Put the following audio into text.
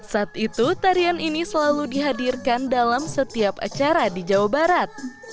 saat itu tarian ini selalu dihadirkan dalam setiap acara di jawa barat